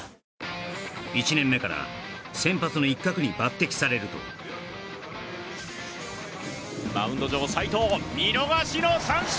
１年目から先発の一角に抜擢されるとマウンド上の斎藤見逃しの三振！